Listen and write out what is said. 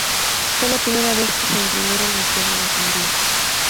Fue la primera vez que se imprimieron los Diálogos en griego.